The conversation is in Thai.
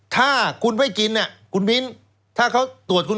ถ้าคุณไม่กินคุณมิ้นถ้าเขาตรวจคุณ